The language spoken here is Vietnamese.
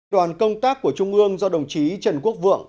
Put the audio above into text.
đoàn công tác của trung ương do đồng chí trần quốc vượng